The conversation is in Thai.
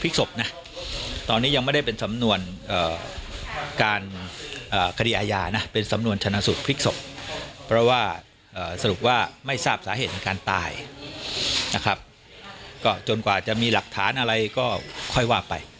ก็ค่อยว่าไป